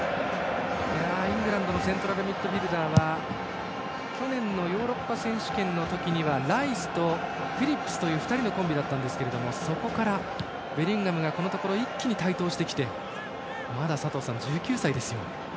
イングランドのセントラルミッドフィールダーは去年のヨーロッパ選手権の時はライスとフィリップスという２人のコンビでしたがそこからベリンガムがこのところ一気に台頭してきてまだ佐藤さん、１９歳ですよ。